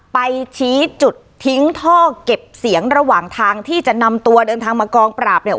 ไปชี้จุดทิ้งท่อเก็บเสียงระหว่างทางที่จะนำตัวเดินทางมากองปราบเนี่ย